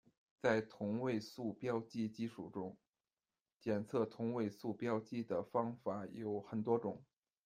在同位素标记技术中，检测同位素标记的方法有很多种。